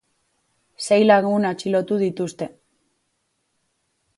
Sei lagun atxilotu dituzte.